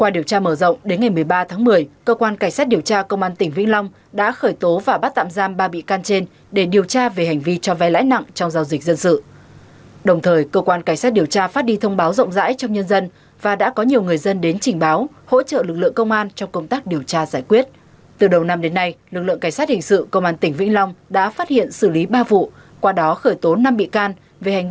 điều tra mở rộng lực lượng công an bắt giữ thêm hai đối tượng là nguyễn văn bảy và nguyễn văn thiêm cùng chú huyện quảng trạch tỉnh quảng bình